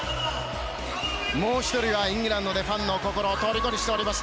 もう１人はイングランドでファンの心をとりこにしております。